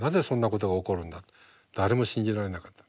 誰も信じられなかった。